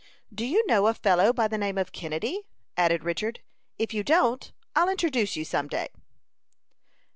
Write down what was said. "Do you know a fellow by the name of Kennedy?" added Richard. "If you don't, I'll introduce you some day."